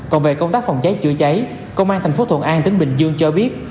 còn về công tác phòng cháy chữa cháy công an thành phố thuận an tỉnh bình dương cho biết